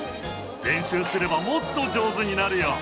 練習すればもっと上手になるよ。